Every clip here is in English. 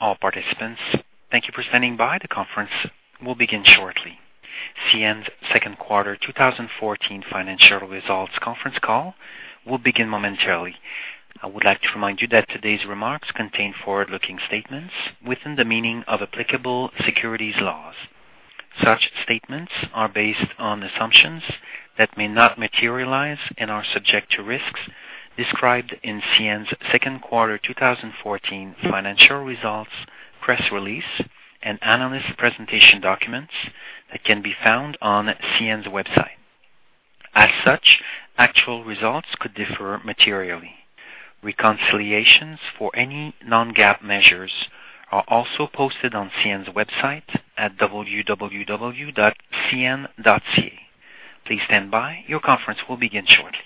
All participants, thank you for standing by. The conference will begin shortly. CN's second quarter 2014 financial results conference call will begin momentarily. I would like to remind you that today's remarks contain forward-looking statements within the meaning of applicable securities laws. Such statements are based on assumptions that may not materialize and are subject to risks described in CN's second quarter 2014 financial results press release and analyst presentation documents that can be found on CN's website. As such, actual results could differ materially. Reconciliations for any non-GAAP measures are also posted on CN's website at www.cn.ca. Please stand by. Your conference will begin shortly.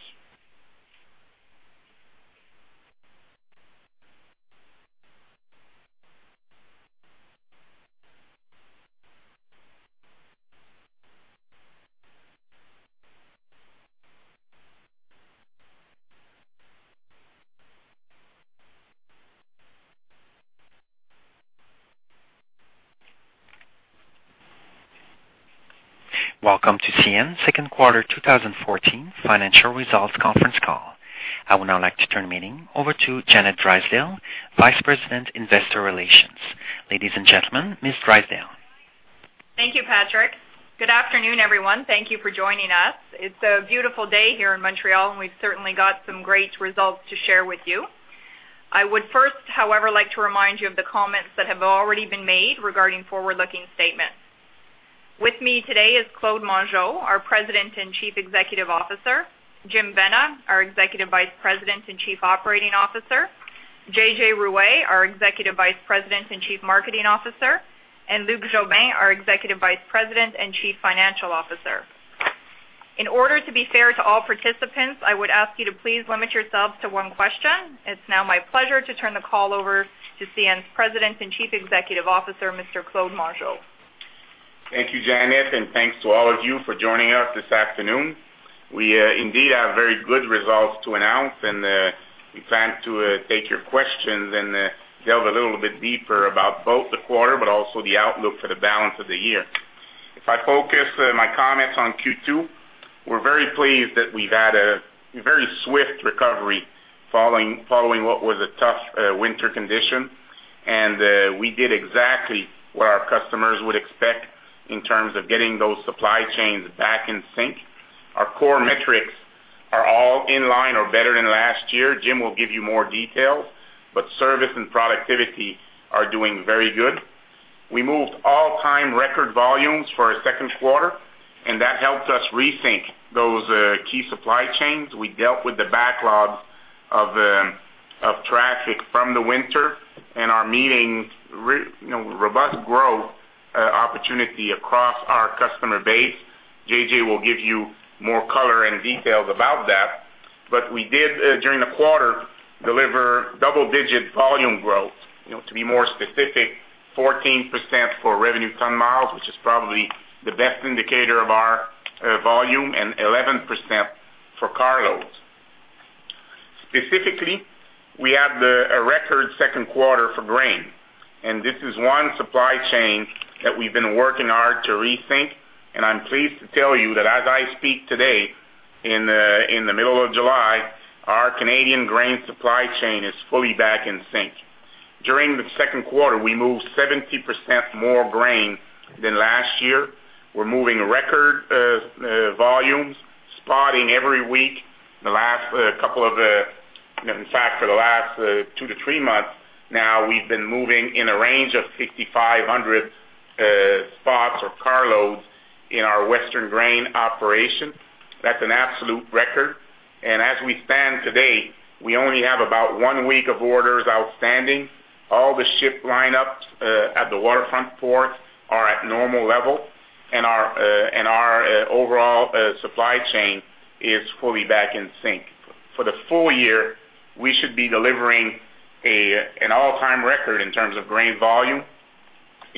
Welcome to CN's second quarter 2014 financial results conference call. I would now like to turn the meeting over to Janet Drysdale, Vice President, Investor Relations. Ladies and gentlemen, Ms. Drysdale. Thank you, Patrick. Good afternoon, everyone. Thank you for joining us. It's a beautiful day here in Montreal, and we've certainly got some great results to share with you. I would first, however, like to remind you of the comments that have already been made regarding forward-looking statements. With me today is Claude Mongeau, our President and Chief Executive Officer, Jim Vena, our Executive Vice President and Chief Operating Officer, J.J. Ruest, our Executive Vice President and Chief Marketing Officer, and Luc Jobin, our Executive Vice President and Chief Financial Officer. In order to be fair to all participants, I would ask you to please limit yourselves to one question. It's now my pleasure to turn the call over to CN's President and Chief Executive Officer, Mr. Claude Mongeau. Thank you, Janet, and thanks to all of you for joining us this afternoon. We indeed have very good results to announce, and we plan to take your questions and delve a little bit deeper about both the quarter but also the outlook for the balance of the year. If I focus my comments on Q2, we're very pleased that we've had a very swift recovery following what was a tough winter condition, and we did exactly what our customers would expect in terms of getting those supply chains back in sync. Our core metrics are all in line or better than last year. Jim will give you more details, but service and productivity are doing very good. We moved all-time record volumes for our second quarter, and that helped us re-sync those key supply chains. We dealt with the backlog of traffic from the winter and we're meeting robust growth opportunities across our customer base. J.J. will give you more color and details about that, but we did, during the quarter, deliver double-digit volume growth. To be more specific, 14% for revenue ton-miles, which is probably the best indicator of our volume, and 11% for car loads. Specifically, we had a record second quarter for grain, and this is one supply chain that we've been working hard to re-sync, and I'm pleased to tell you that as I speak today, in the middle of July, our Canadian grain supply chain is fully back in sync. During the second quarter, we moved 70% more grain than last year. We're moving record volumes, spotting every week. The last couple of, in fact, for the last two to three months now, we've been moving in a range of 5,500 spots or carloads in our western grain operation. That's an absolute record, and as we stand today, we only have about one week of orders outstanding. All the ship lineups at the waterfront ports are at normal level, and our overall supply chain is fully back in sync. For the full year, we should be delivering an all-time record in terms of grain volume,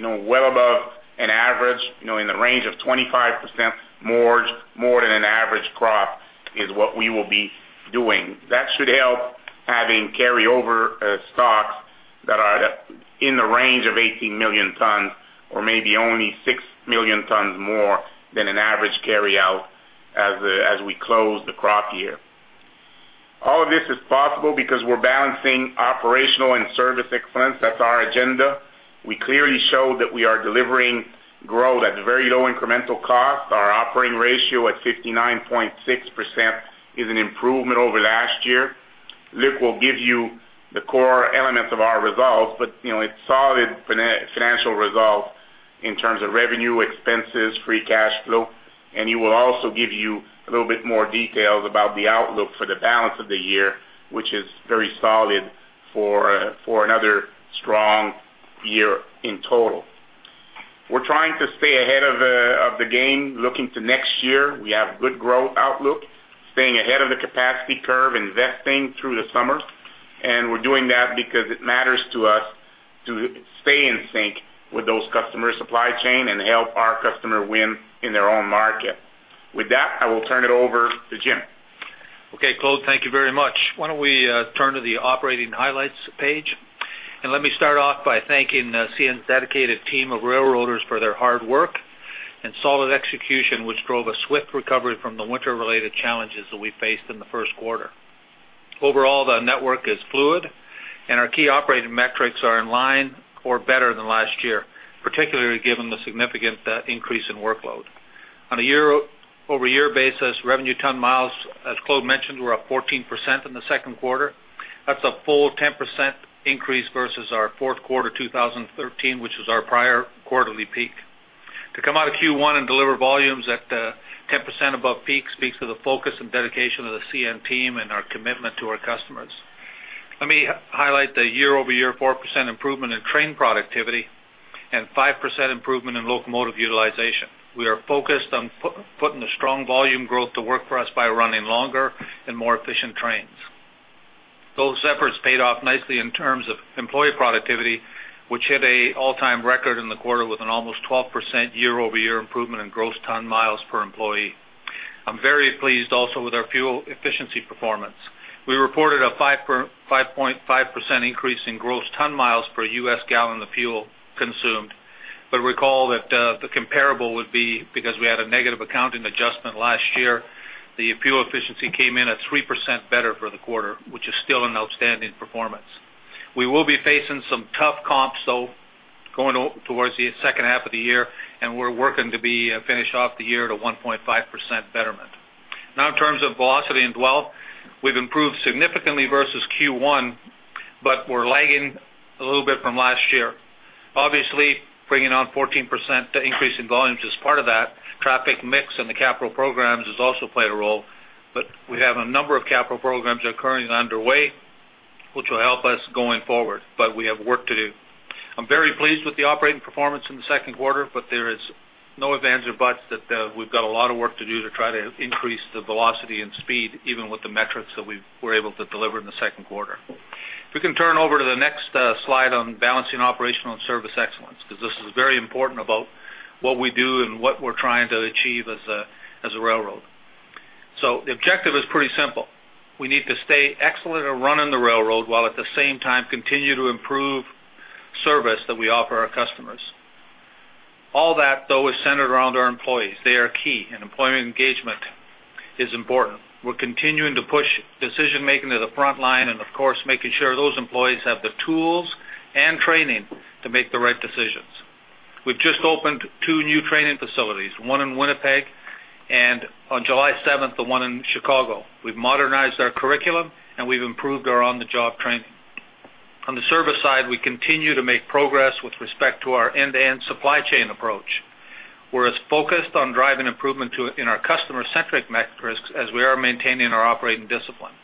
well above an average in the range of 25% more than an average crop is what we will be doing. That should help having carryover stocks that are in the range of 18 million tons or maybe only six million tons more than an average carryout as we close the crop year. All of this is possible because we're balancing operational and service excellence. That's our agenda. We clearly showed that we are delivering growth at very low incremental costs. Our operating ratio at 59.6% is an improvement over last year. Luc will give you the core elements of our results, but it's solid financial results in terms of revenue, expenses, free cash flow, and he will also give you a little bit more details about the outlook for the balance of the year, which is very solid for another strong year in total. We're trying to stay ahead of the game, looking to next year. We have good growth outlook, staying ahead of the capacity curve, investing through the summer, and we're doing that because it matters to us to stay in sync with those customers' supply chain and help our customer win in their own market. With that, I will turn it over to Jim. Okay, Claude, thank you very much. Why don't we turn to the operating highlights page, and let me start off by thanking CN's dedicated team of railroaders for their hard work and solid execution, which drove a swift recovery from the winter-related challenges that we faced in the first quarter. Overall, the network is fluid, and our key operating metrics are in line or better than last year, particularly given the significant increase in workload. On a year-over-year basis, revenue ton-miles, as Claude mentioned, were up 14% in the second quarter. That's a full 10% increase versus our fourth quarter 2013, which was our prior quarterly peak. To come out of Q1 and deliver volumes at 10% above peak speaks to the focus and dedication of the CN team and our commitment to our customers. Let me highlight the year-over-year 4% improvement in train productivity and 5% improvement in locomotive utilization. We are focused on putting the strong volume growth to work for us by running longer and more efficient trains. Those efforts paid off nicely in terms of employee productivity, which hit an all-time record in the quarter with an almost 12% year-over-year improvement in gross ton-miles per employee. I'm very pleased also with our fuel efficiency performance. We reported a 5.5% increase in gross ton-miles per US gallon of fuel consumed, but recall that the comparable would be because we had a negative accounting adjustment last year. The fuel efficiency came in at 3% better for the quarter, which is still an outstanding performance. We will be facing some tough comps though going towards the second half of the year, and we're working to finish off the year at a 1.5% betterment. Now, in terms of velocity and dwell, we've improved significantly versus Q1, but we're lagging a little bit from last year. Obviously, bringing on 14% increase in volumes is part of that. Traffic mix and the capital programs have also played a role, but we have a number of capital programs that are currently underway, which will help us going forward, but we have work to do. I'm very pleased with the operating performance in the second quarter, but there are no ifs, ands, or buts that we've got a lot of work to do to try to increase the velocity and speed even with the metrics that we were able to deliver in the second quarter. If we can turn over to the next slide on balancing operational and service excellence, because this is very important about what we do and what we're trying to achieve as a railroad. The objective is pretty simple. We need to stay excellent at running the railroad while at the same time continue to improve service that we offer our customers. All that, though, is centered around our employees. They are key, and employee engagement is important. We're continuing to push decision-making to the front line and, of course, making sure those employees have the tools and training to make the right decisions. We've just opened two new training facilities, one in Winnipeg and on July 7th, the one in Chicago. We've modernized our curriculum, and we've improved our on-the-job training. On the service side, we continue to make progress with respect to our end-to-end supply chain approach. We're as focused on driving improvement in our customer-centric metrics as we are maintaining our operating discipline.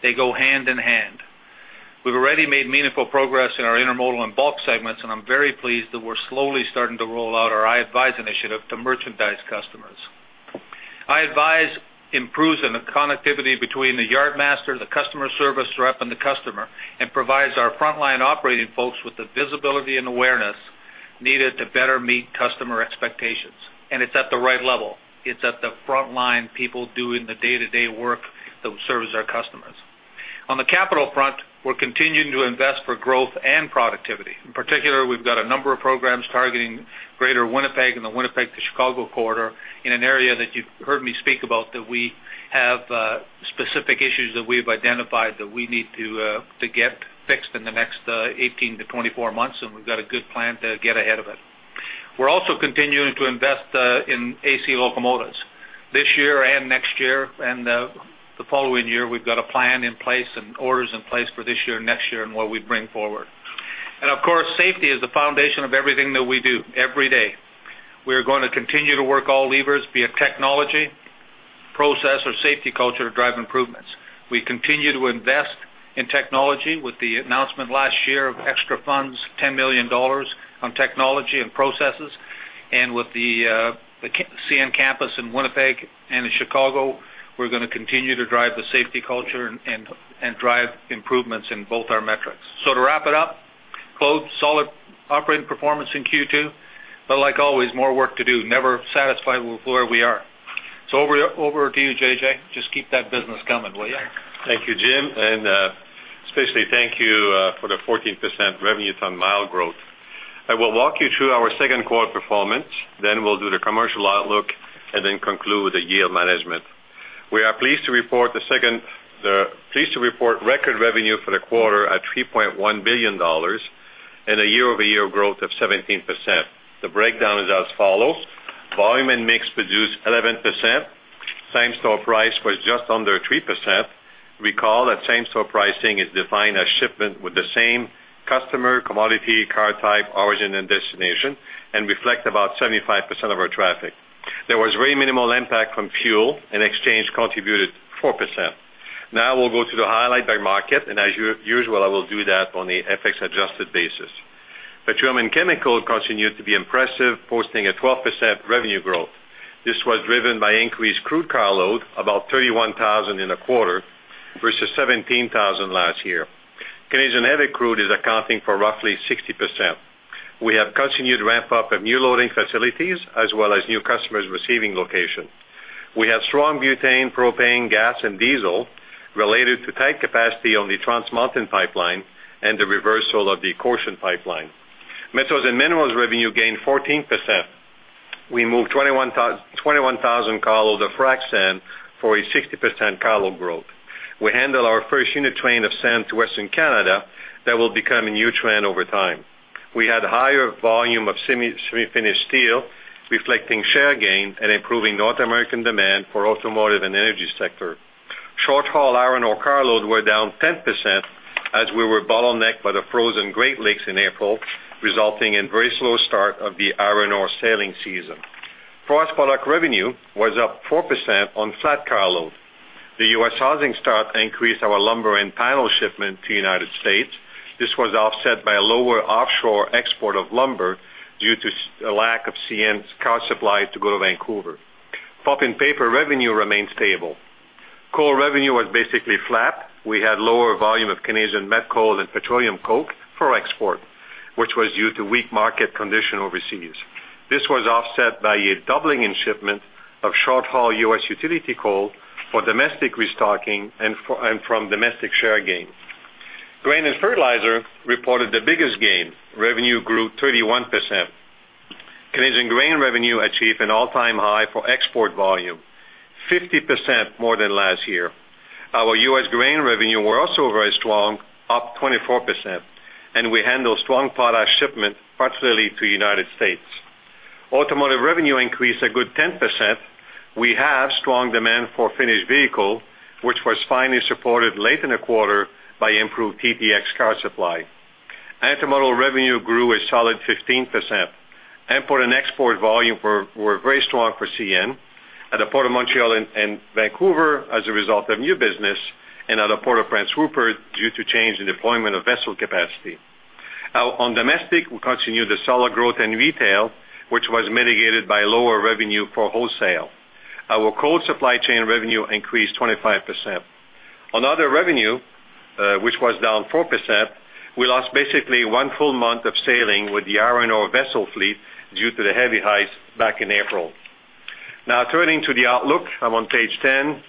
They go hand in hand. We've already made meaningful progress in our intermodal and bulk segments, and I'm very pleased that we're slowly starting to roll out our iAdvise initiative to merchandise customers. iAdvise improves the connectivity between the yard master, the customer service rep, and the customer, and provides our frontline operating folks with the visibility and awareness needed to better meet customer expectations. It's at the right level. It's at the front line people doing the day-to-day work that will serve as our customers. On the capital front, we're continuing to invest for growth and productivity. In particular, we've got a number of programs targeting greater Winnipeg and the Winnipeg to Chicago corridor in an area that you've heard me speak about that we have specific issues that we've identified that we need to get fixed in the next 18-24 months, and we've got a good plan to get ahead of it. We're also continuing to invest in AC locomotives this year and next year, and the following year. We've got a plan in place and orders in place for this year and next year and what we bring forward. And, of course, safety is the foundation of everything that we do every day. We are going to continue to work all levers via technology, process, or safety culture to drive improvements. We continue to invest in technology with the announcement last year of extra funds, $10 million on technology and processes, and with the CN campus in Winnipeg and in Chicago, we're going to continue to drive the safety culture and drive improvements in both our metrics. So to wrap it up, Claude, solid operating performance in Q2, but like always, more work to do. Never satisfied with where we are. So over to you, J.J. Just keep that business coming, will you? Thank you, Jim. And especially thank you for the 14% revenue-ton-mile growth. I will walk you through our second quarter performance, then we'll do the commercial outlook, and then conclude with the yield management. We are pleased to report record revenue for the quarter at $3.1 billion and a year-over-year growth of 17%. The breakdown is as follows. Volume and mix produced 11%. Same-store price was just under 3%. Recall that same-store pricing is defined as shipment with the same customer, commodity, car type, origin, and destination, and reflects about 75% of our traffic. There was very minimal impact from fuel, and exchange contributed 4%. Now we'll go to the highlight by market, and as usual, I will do that on the FX-adjusted basis. Petroleum and chemical continued to be impressive, posting a 12% revenue growth. This was driven by increased crude carload, about 31,000 in the quarter versus 17,000 last year. Canadian heavy crude is accounting for roughly 60%. We have continued ramp-up of new loading facilities as well as new customers receiving location. We have strong butane, propane, gas, and diesel related to tight capacity on the Trans Mountain Pipeline and the reversal of the Cochin Pipeline. Metals and minerals revenue gained 14%. We moved 21,000 carload of frac sand for a 60% carload growth. We handled our first unit train of sand to Western Canada that will become a new trend over time. We had a higher volume of semi-finished steel, reflecting share gain and improving North American demand for automotive and energy sector. Short-haul iron ore carloads were down 10% as we were bottlenecked by the frozen Great Lakes in April, resulting in a very slow start of the iron ore sailing season. Crop product revenue was up 4% on flat carload. The U.S. housing starts increased our lumber and panel shipments to the United States. This was offset by a lower offshore export of lumber due to a lack of CN's car supply to go to Vancouver. Pulp and paper revenue remained stable. Coal revenue was basically flat. We had lower volume of Canadian met coal and petroleum coke for export, which was due to weak market conditions overseas. This was offset by a doubling in shipments of short-haul U.S. utility coal for domestic restocking and from domestic share gain. Grain and fertilizer reported the biggest gain. Revenue grew 31%. Canadian grain revenue achieved an all-time high for export volume, 50% more than last year. Our U.S. grain revenue was also very strong, up 24%, and we handled strong product shipment, particularly to the United States. Automotive revenue increased a good 10%. We have strong demand for finished vehicles, which was finally supported late in the quarter by improved TTX car supply. Intermodal revenue grew a solid 15%. Import and export volume were very strong for CN at the Port of Montreal and Vancouver as a result of new business, and at the Port of Prince Rupert due to change in deployment of vessel capacity. On domestic, we continued the solid growth in retail, which was mitigated by lower revenue for wholesale. Our cold supply chain revenue increased 25%. On other revenue, which was down 4%, we lost basically one full month of sailing with the iron ore vessel fleet due to the heavy ice back in April. Now, turning to the outlook, I'm on page 10.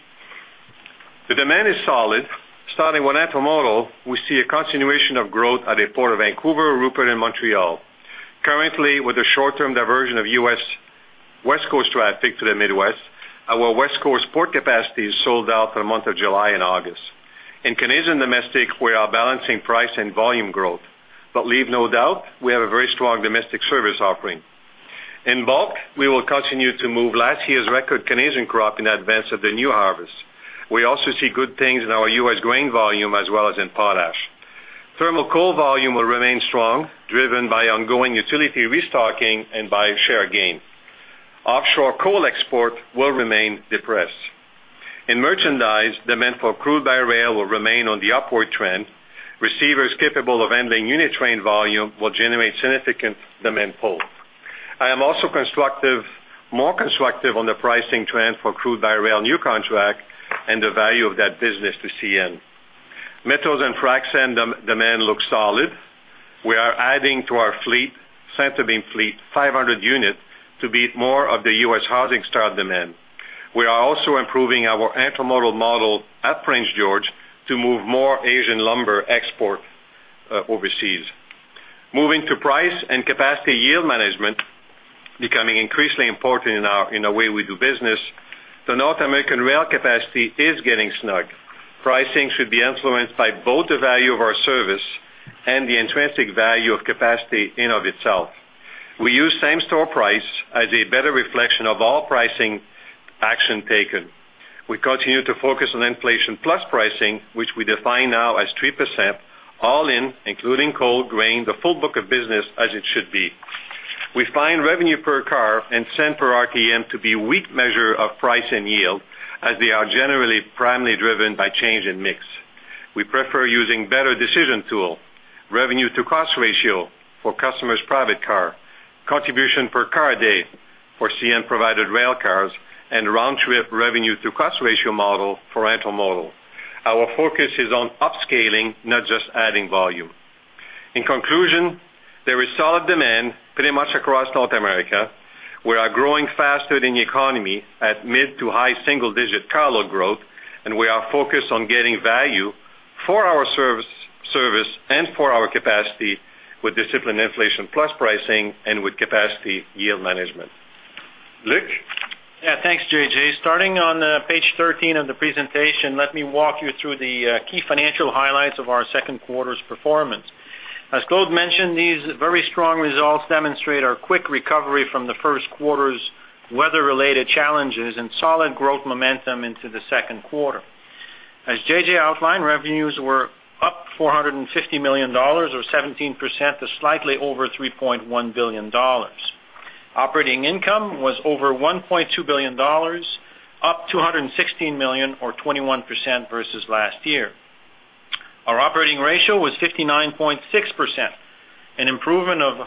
The demand is solid. Starting with intermodal, we see a continuation of growth at the Port of Vancouver, Rupert, and Montreal. Currently, with the short-term diversion of U.S. West Coast traffic to the Midwest, our West Coast port capacity is sold out for the month of July and August. In Canadian domestic, we are balancing price and volume growth, but leave no doubt we have a very strong domestic service offering. In bulk, we will continue to move last year's record Canadian crop in advance of the new harvest. We also see good things in our U.S. grain volume as well as in potash. Thermal coal volume will remain strong, driven by ongoing utility restocking and by share gain. Offshore coal export will remain depressed. In merchandise, demand for crude by rail will remain on the upward trend. Receivers capable of handling unit train volume will generate significant demand pull. I am also more constructive on the pricing trend for crude by rail new contract and the value of that business to CN. Metals and frac sand demand looks solid. We are adding to our fleet, centerbeam fleet, 500 units to meet more of the U.S. housing start demand. We are also improving our intermodal model at Prince George to move more Asian lumber export overseas. Moving to price and capacity yield management, becoming increasingly important in the way we do business, the North American rail capacity is getting snug. Pricing should be influenced by both the value of our service and the intrinsic value of capacity in and of itself. We use same-store price as a better reflection of all pricing action taken. We continue to focus on inflation-plus pricing, which we define now as 3%, all in, including coal, grain, the full book of business as it should be. We find revenue per car and cents per RTM to be a weak measure of price and yield as they are generally primarily driven by change in mix. We prefer using better decision tool, revenue-to-cost ratio for customers' private car, contribution per car a day for CN-provided rail cars, and round-trip revenue-to-cost ratio model for intermodal. Our focus is on upscaling, not just adding volume. In conclusion, there is solid demand pretty much across North America. We are growing faster than the economy at mid- to high-single-digit carload growth, and we are focused on getting value for our service and for our capacity with disciplined inflation-plus pricing and with capacity-yield management. Luc. Yeah, thanks, J.J. Starting on page 13 of the presentation, let me walk you through the key financial highlights of our second quarter's performance. As Claude mentioned, these very strong results demonstrate our quick recovery from the first quarter's weather-related challenges and solid growth momentum into the second quarter. As J.J. outlined, revenues were up $450 million or 17% to slightly over $3.1 billion. Operating income was over $1.2 billion, up $216 million or 21% versus last year. Our operating ratio was 59.6%, an improvement of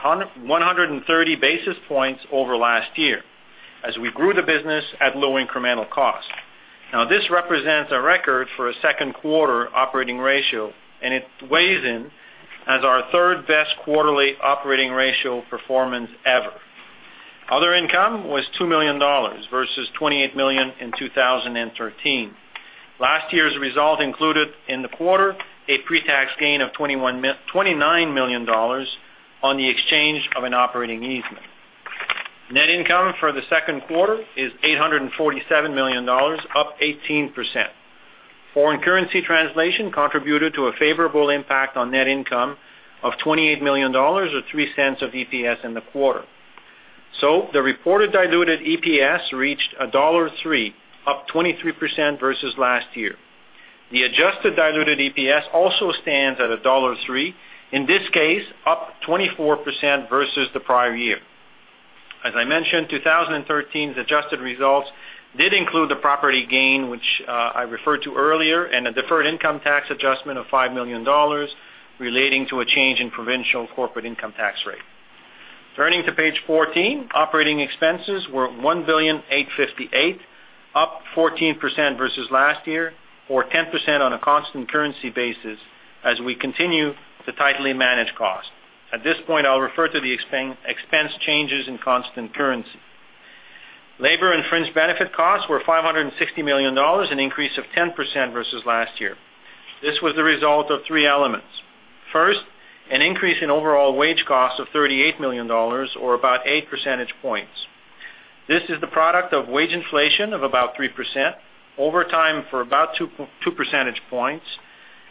130 basis points over last year as we grew the business at low incremental cost. Now, this represents a record for a second quarter operating ratio, and it weighs in as our third best quarterly operating ratio performance ever. Other income was $2 million versus $28 million in 2013. Last year's result included in the quarter a pre-tax gain of $29 million on the exchange of an operating easement. Net income for the second quarter is $847 million, up 18%. Foreign currency translation contributed to a favorable impact on net income of $28 million or $0.03 of EPS in the quarter. So the reported diluted EPS reached $1.03, up 23% versus last year. The adjusted diluted EPS also stands at $1.03, in this case, up 24% versus the prior year. As I mentioned, 2013's adjusted results did include the property gain, which I referred to earlier, and a deferred income tax adjustment of $5 million relating to a change in provincial corporate income tax rate. Turning to page 14, operating expenses were $1,858,000, up 14% versus last year, or 10% on a constant currency basis as we continue to tightly manage cost. At this point, I'll refer to the expense changes in constant currency. Labor and fringe benefit costs were $560 million, an increase of 10% versus last year. This was the result of three elements. First, an increase in overall wage cost of $38 million, or about 8 percentage points. This is the product of wage inflation of about 3%, overtime for about 2 percentage points,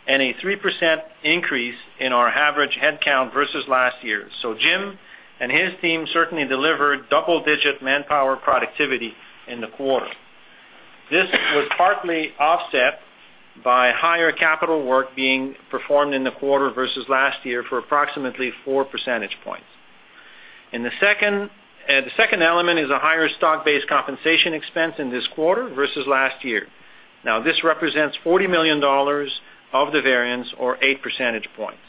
and a 3% increase in our average headcount versus last year. So Jim and his team certainly delivered double-digit manpower productivity in the quarter. This was partly offset by higher capital work being performed in the quarter versus last year for approximately 4 percentage points. The second element is a higher stock-based compensation expense in this quarter versus last year. Now, this represents $40 million of the variance, or 8 percentage points.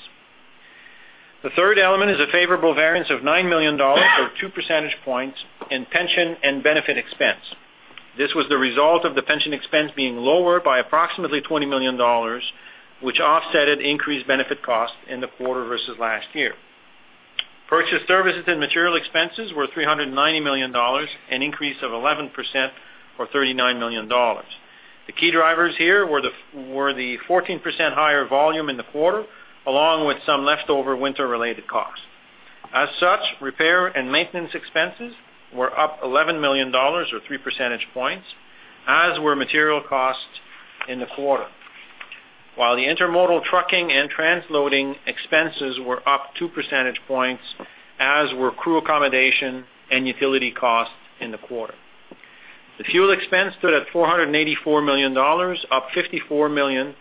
The third element is a favorable variance of $9 million or 2 percentage points in pension and benefit expense. This was the result of the pension expense being lower by approximately $20 million, which offset an increased benefit cost in the quarter versus last year. Purchased services and material expenses were $390 million, an increase of 11% or $39 million. The key drivers here were the 14% higher volume in the quarter, along with some leftover winter-related costs. As such, repair and maintenance expenses were up $11 million or 3 percentage points, as were material costs in the quarter, while the intermodal trucking and transloading expenses were up 2 percentage points, as were crew accommodation and utility costs in the quarter. The fuel expense stood at $484 million, up $54 million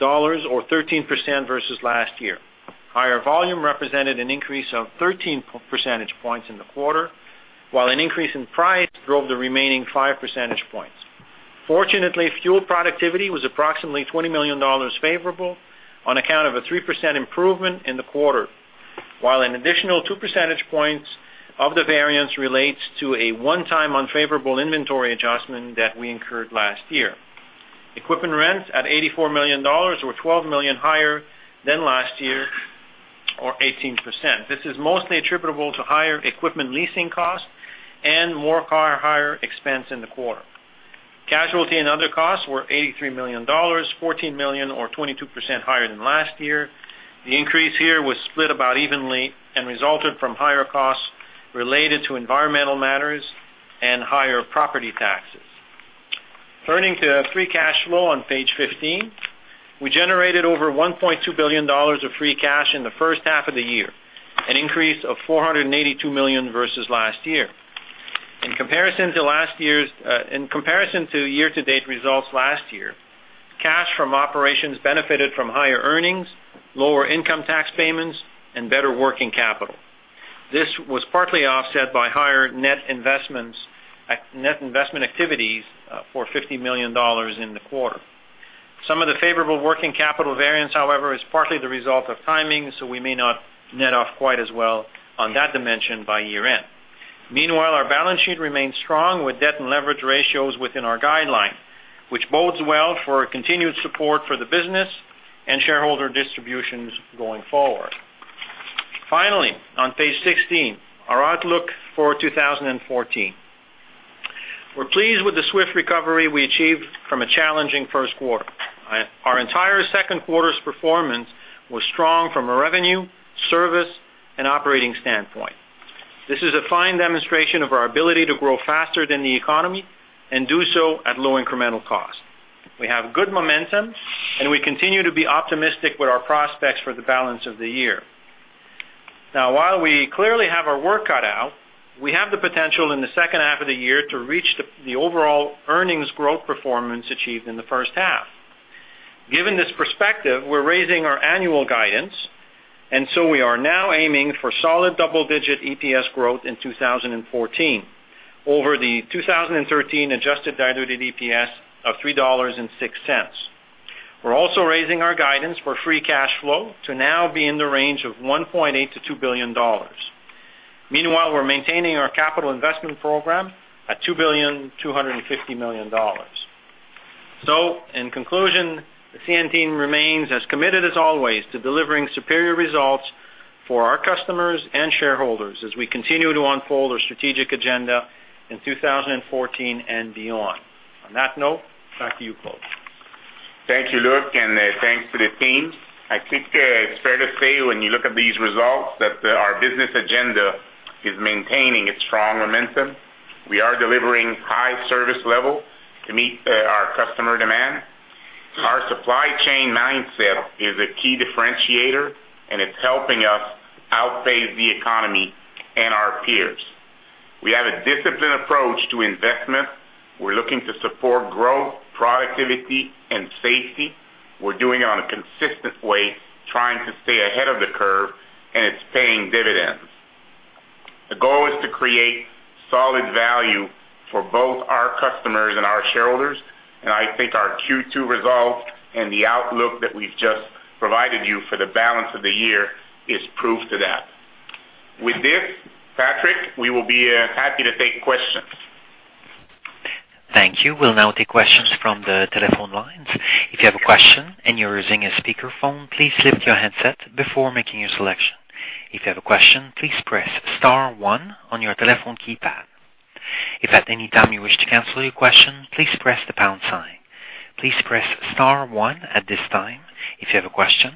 or 13% versus last year. Higher volume represented an increase of 13 percentage points in the quarter, while an increase in price drove the remaining 5 percentage points. Fortunately, fuel productivity was approximately $20 million favorable on account of a 3% improvement in the quarter, while an additional 2 percentage points of the variance relates to a one-time unfavorable inventory adjustment that we incurred last year. Equipment rents at $84 million or $12 million higher than last year, or 18%. This is mostly attributable to higher equipment leasing costs and more car hire expense in the quarter. Casualty and other costs were $83 million, $14 million or 22% higher than last year. The increase here was split about evenly and resulted from higher costs related to environmental matters and higher property taxes. Turning to free cash flow on page 15, we generated over $1.2 billion of free cash in the first half of the year, an increase of $482 million versus last year. In comparison to last year's year-to-date results last year, cash from operations benefited from higher earnings, lower income tax payments, and better working capital. This was partly offset by higher net investment activities for $50 million in the quarter. Some of the favorable working capital variance, however, is partly the result of timing, so we may not net off quite as well on that dimension by year-end. Meanwhile, our balance sheet remains strong with debt and leverage ratios within our guideline, which bodes well for continued support for the business and shareholder distributions going forward. Finally, on page 16, our outlook for 2014. We're pleased with the swift recovery we achieved from a challenging first quarter. Our entire second quarter's performance was strong from a revenue, service, and operating standpoint. This is a fine demonstration of our ability to grow faster than the economy and do so at low incremental cost. We have good momentum, and we continue to be optimistic with our prospects for the balance of the year. Now, while we clearly have our work cut out, we have the potential in the second half of the year to reach the overall earnings growth performance achieved in the first half. Given this perspective, we're raising our annual guidance, and so we are now aiming for solid double-digit EPS growth in 2014 over the 2013 adjusted diluted EPS of $3.06. We're also raising our guidance for free cash flow to now be in the range of $1.8 billion-$2 billion. Meanwhile, we're maintaining our capital investment program at $2,250 million. In conclusion, the CN team remains as committed as always to delivering superior results for our customers and shareholders as we continue to unfold our strategic agenda in 2014 and beyond. On that note, back to you, Claude. Thank you, Luc, and thanks to the team. I think it's fair to say when you look at these results that our business agenda is maintaining its strong momentum. We are delivering high service level to meet our customer demand. Our supply chain mindset is a key differentiator, and it's helping us outpace the economy and our peers. We have a disciplined approach to investment. We're looking to support growth, productivity, and safety. We're doing it on a consistent way, trying to stay ahead of the curve, and it's paying dividends. The goal is to create solid value for both our customers and our shareholders, and I think our Q2 results and the outlook that we've just provided you for the balance of the year is proof to that. With this, Patrick, we will be happy to take questions. Thank you. We'll now take questions from the telephone lines. If you have a question and you're using a speakerphone, please lift your headset before making your selection. If you have a question, please press star one on your telephone keypad. If at any time you wish to cancel your question, please press the pound sign. Please press star one at this time. If you have a question,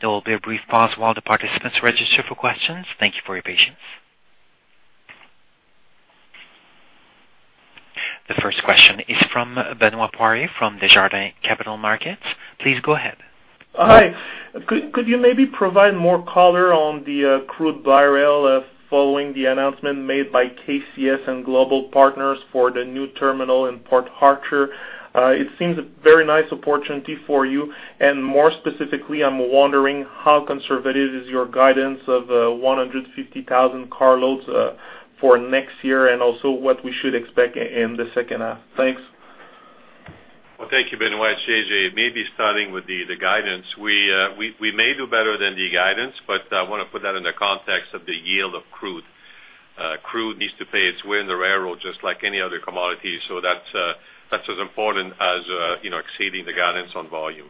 there will be a brief pause while the participants register for questions. Thank you for your patience. The first question is from Benoit Poirier from Desjardins Capital Markets. Please go ahead. Hi. Could you maybe provide more color on the crude by rail following the announcement made by KCS and Global Partners for the new terminal in Port Arthur? It seems a very nice opportunity for you. And more specifically, I'm wondering how conservative is your guidance of 150,000 carloads for next year and also what we should expect in the second half? Thanks. Well, thank you, Benoit. J.J., maybe starting with the guidance. We may do better than the guidance, but I want to put that in the context of the yield of crude. Crude needs to pay its weight in the railroad just like any other commodity, so that's as important as exceeding the guidance on volume.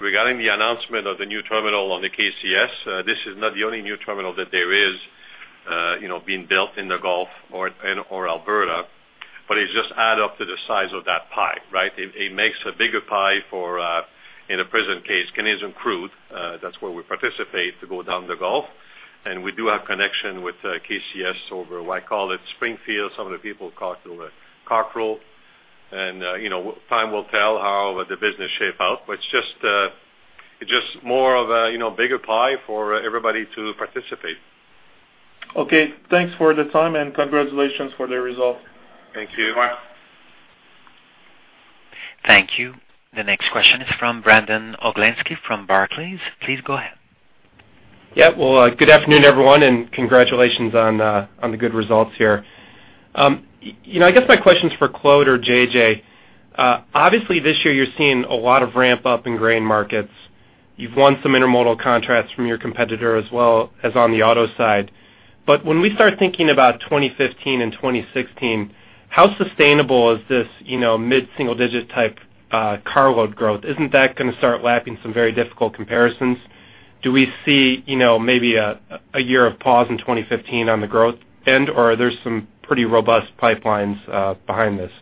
Regarding the announcement of the new terminal on the KCS, this is not the only new terminal that there is being built in the Gulf or Alberta, but it just adds up to the size of that pie, right? It makes a bigger pie for, in a present case, Canadian crude. That's where we participate to go down the Gulf, and we do have connection with KCS over, what I call it, Springfield. Some of the people call it the Carvarol. Time will tell how the business shapes out, but it's just more of a bigger pie for everybody to participate. Okay. Thanks for the time and congratulations for the results. Thank you. Thank you. The next question is from Brandon Oglenski from Barclays. Please go ahead. Yeah. Well, good afternoon, everyone, and congratulations on the good results here. I guess my question's for Claude or J.J. Obviously, this year you're seeing a lot of ramp-up in grain markets. You've won some intermodal contracts from your competitor as well as on the auto side. But when we start thinking about 2015 and 2016, how sustainable is this mid-single-digit type carload growth? Isn't that going to start lapping some very difficult comparisons? Do we see maybe a year of pause in 2015 on the growth end, or are there some pretty robust pipelines behind this?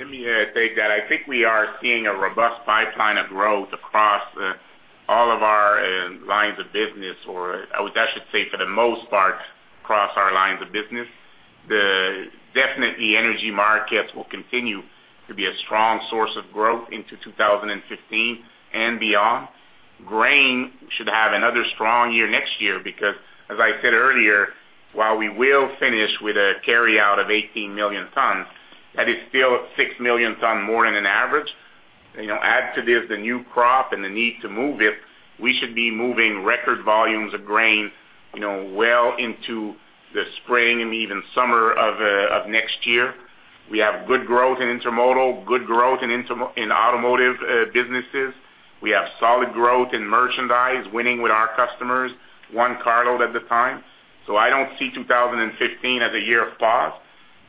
Let me take that. I think we are seeing a robust pipeline of growth across all of our lines of business, or I should say for the most part across our lines of business. Definitely, energy markets will continue to be a strong source of growth into 2015 and beyond. Grain should have another strong year next year because, as I said earlier, while we will finish with a carryout of 18 million tons, that is still 6 million tons more than an average. Add to this the new crop and the need to move it. We should be moving record volumes of grain well into the spring and even summer of next year. We have good growth in intermodal, good growth in automotive businesses. We have solid growth in merchandise, winning with our customers, one carload at a time. I don't see 2015 as a year of pause.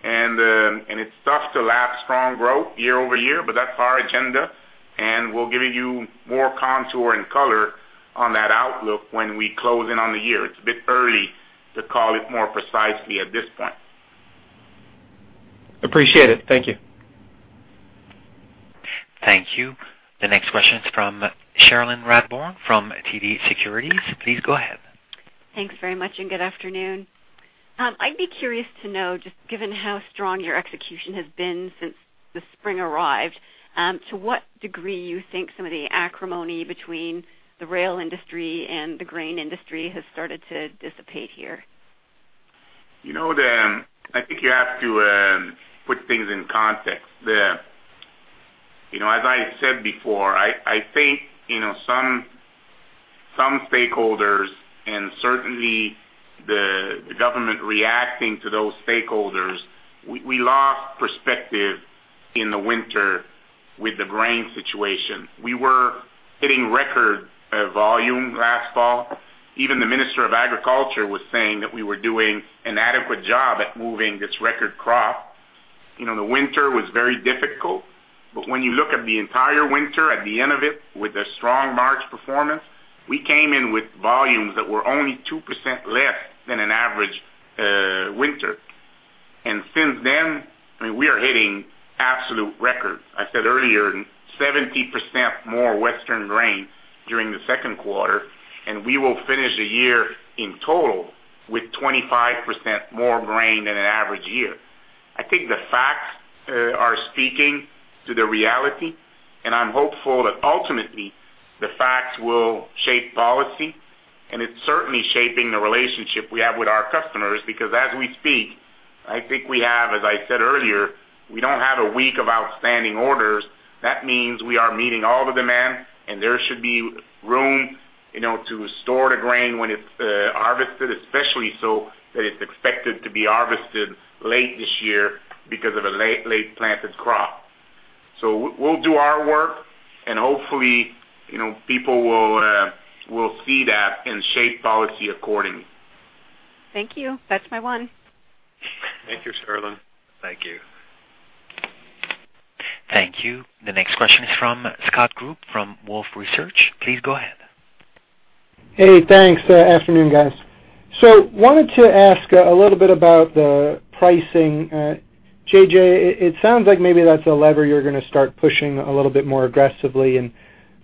It's tough to lap strong growth year-over-year, but that's our agenda. We'll give you more contour and color on that outlook when we close in on the year. It's a bit early to call it more precisely at this point. Appreciate it. Thank you. Thank you. The next question's from Cherilyn Radbourne from TD Securities. Please go ahead. Thanks very much and good afternoon. I'd be curious to know, just given how strong your execution has been since the spring arrived, to what degree you think some of the acrimony between the rail industry and the grain industry has started to dissipate here? I think you have to put things in context. As I said before, I think some stakeholders and certainly the government reacting to those stakeholders, we lost perspective in the winter with the grain situation. We were hitting record volume last fall. Even the Minister of Agriculture was saying that we were doing an adequate job at moving this record crop. The winter was very difficult, but when you look at the entire winter, at the end of it, with a strong March performance, we came in with volumes that were only 2% less than an average winter. And since then, I mean, we are hitting absolute records. I said earlier, 70% more western grain during the second quarter, and we will finish the year in total with 25% more grain than an average year. I think the facts are speaking to the reality, and I'm hopeful that ultimately the facts will shape policy, and it's certainly shaping the relationship we have with our customers because as we speak, I think we have, as I said earlier, we don't have a week of outstanding orders. That means we are meeting all the demand, and there should be room to store the grain when it's harvested, especially so that it's expected to be harvested late this year because of a late-planted crop. So we'll do our work, and hopefully people will see that and shape policy accordingly. Thank you. That's my one. Thank you, Cherilyn. Thank you. Thank you. The next question is from Scott Group from Wolfe Research. Please go ahead. Hey, thanks. Afternoon, guys. So wanted to ask a little bit about the pricing. J.J., it sounds like maybe that's a lever you're going to start pushing a little bit more aggressively, and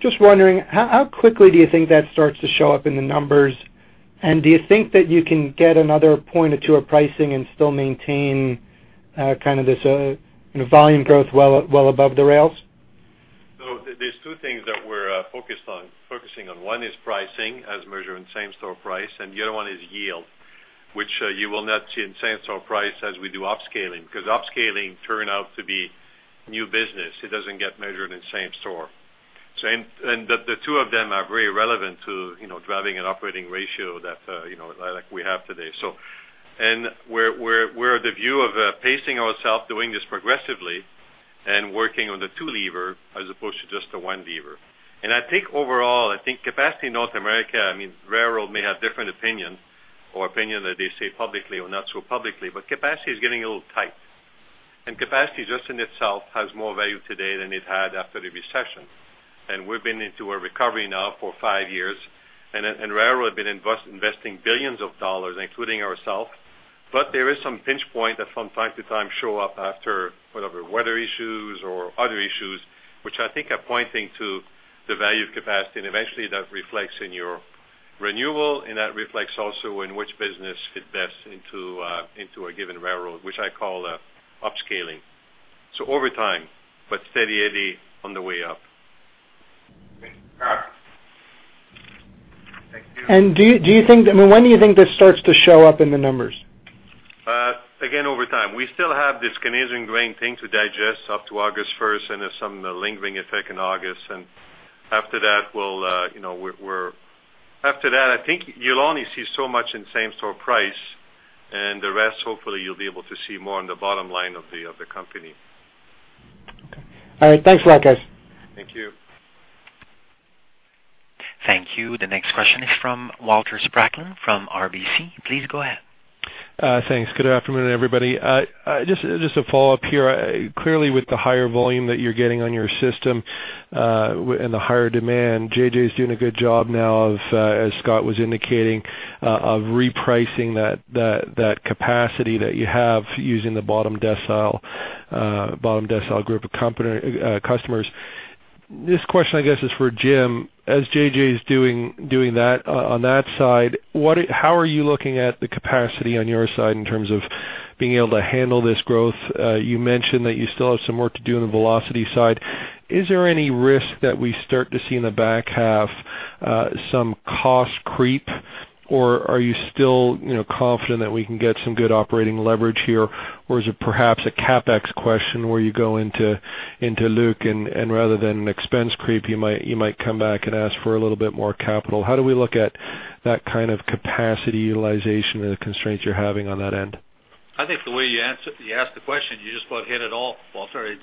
just wondering, how quickly do you think that starts to show up in the numbers? And do you think that you can get another point or two of pricing and still maintain kind of this volume growth well above the rails? So there are two things that we're focusing on. One is pricing as measured in same-store price, and the other one is yield, which you will not see in same-store price as we do upscaling because upscaling turned out to be new business. It doesn't get measured in same-store. And the two of them are very relevant to driving an operating ratio that we have today. And we're at the view of pacing ourselves, doing this progressively, and working on the two levers as opposed to just the one lever. And I think overall, I think capacity in North America—I mean, railroads may have different opinions or opinions that they say publicly or not so publicly—but capacity is getting a little tight. And capacity just in itself has more value today than it had after the recession. We've been into a recovery now for five years, and railroad has been investing $ billions, including ourselves. But there is some pinch point that from time to time shows up after whatever, weather issues or other issues, which I think are pointing to the value of capacity, and eventually that reflects in your renewal, and that reflects also in which business fits best into a given railroad, which I call upscaling. Over time, but steadily on the way up. Thank you. Do you think, I mean, when do you think this starts to show up in the numbers? Again, over time. We still have this Canadian grain thing to digest up to August 1st and some lingering effect in August. And after that, we'll, I think you'll only see so much in same-store price, and the rest, hopefully, you'll be able to see more on the bottom line of the company. Okay. All right. Thanks a lot guys. Thank you. Thank you. The next question is from Walter Spracklin from RBC. Please go ahead. Thanks. Good afternoon, everybody. Just a follow-up here. Clearly, with the higher volume that you're getting on your system and the higher demand, J.J. is doing a good job now, as Scott was indicating, of repricing that capacity that you have using the bottom decile group of customers. This question, I guess, is for Jim. As J.J. is doing that on that side, how are you looking at the capacity on your side in terms of being able to handle this growth? You mentioned that you still have some work to do on the velocity side. Is there any risk that we start to see in the back half some cost creep, or are you still confident that we can get some good operating leverage here, or is it perhaps a CapEx question where you go into Luc and rather than an expense creep, you might come back and ask for a little bit more capital? How do we look at that kind of capacity utilization and the constraints you're having on that end? I think the way you asked the question, you just about hit it all. Well, sorry.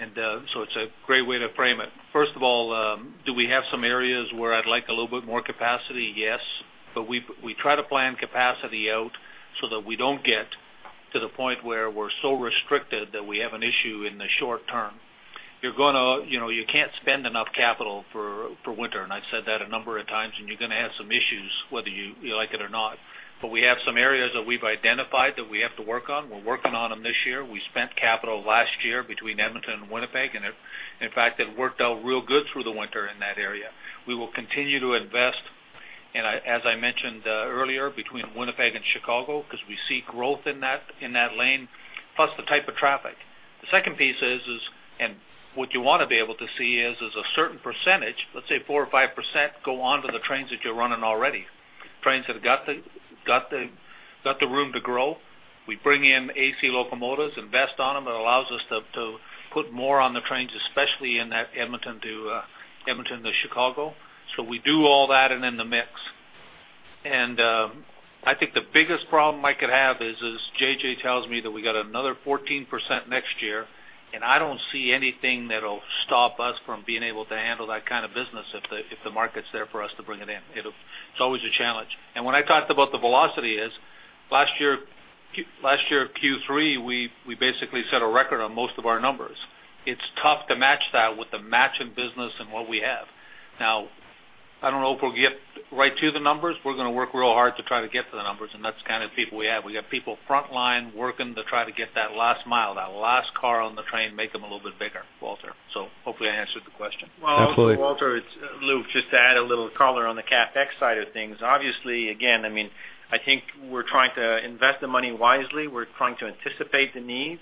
And so it's a great way to frame it. First of all, do we have some areas where I'd like a little bit more capacity? Yes. But we try to plan capacity out so that we don't get to the point where we're so restricted that we have an issue in the short term. You can't spend enough capital for winter, and I've said that a number of times, and you're going to have some issues whether you like it or not. But we have some areas that we've identified that we have to work on. We're working on them this year. We spent capital last year between Edmonton and Winnipeg, and in fact, it worked out real good through the winter in that area. We will continue to invest, as I mentioned earlier, between Winnipeg and Chicago because we see growth in that lane, plus the type of traffic. The second piece is, and what you want to be able to see is a certain percentage, let's say 4% or 5%, go onto the trains that you're running already. Trains that have got the room to grow. We bring in AC locomotives, invest on them. It allows us to put more on the trains, especially in that Edmonton to Chicago. So we do all that and then the mix. And I think the biggest problem I could have is, as J.J. tells me, that we got another 14% next year, and I don't see anything that'll stop us from being able to handle that kind of business if the market's there for us to bring it in. It's always a challenge. When I talked about the velocity is, last year, Q3, we basically set a record on most of our numbers. It's tough to match that with the matching business and what we have. Now, I don't know if we'll get right to the numbers. We're going to work real hard to try to get to the numbers, and that's the kind of people we have. We got people frontline working to try to get that last mile, that last car on the train, make them a little bit bigger, Walter. Hopefully I answered the question. Well, Walter, Luc, just to add a little color on the CapEx side of things. Obviously, again, I mean, I think we're trying to invest the money wisely. We're trying to anticipate the needs.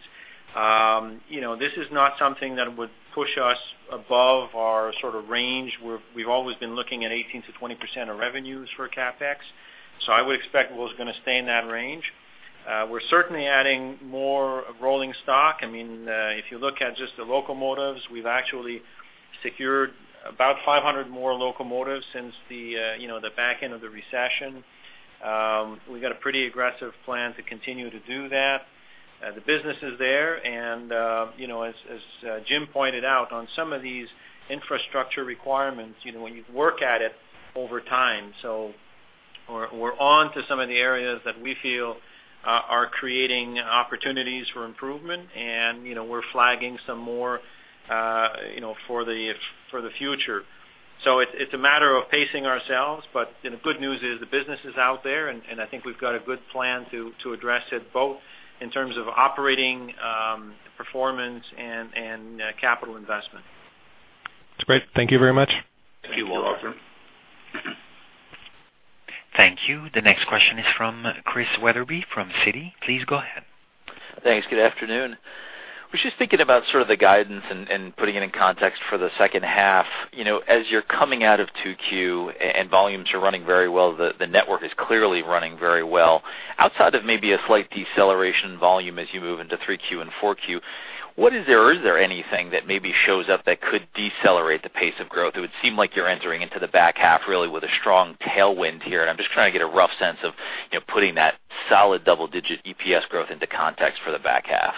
This is not something that would push us above our sort of range. We've always been looking at 18%-20% of revenues for CapEx. So I would expect we're going to stay in that range. We're certainly adding more rolling stock. I mean, if you look at just the locomotives, we've actually secured about 500 more locomotives since the back end of the recession. The business is there. As Jim pointed out, on some of these infrastructure requirements, when you work at it over time, so we're on to some of the areas that we feel are creating opportunities for improvement, and we're flagging some more for the future. It's a matter of pacing ourselves, but the good news is the business is out there, and I think we've got a good plan to address it both in terms of operating performance and capital investment. That's great. Thank you very much. Thank you, Walter. Thank you. The next question is from Chris Wetherbee from Citi. Please go ahead. Thanks. Good afternoon. I was just thinking about sort of the guidance and putting it in context for the second half. As you're coming out of 2Q and volumes are running very well, the network is clearly running very well. Outside of maybe a slight deceleration in volume as you move into 3Q and 4Q, what is there or is there anything that maybe shows up that could decelerate the pace of growth? It would seem like you're entering into the back half really with a strong tailwind here, and I'm just trying to get a rough sense of putting that solid double-digit EPS growth into context for the back half.